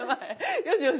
よしよし。